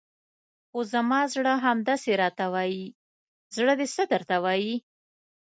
خو زما زړه همداسې راته وایي، زړه دې څه درته وایي؟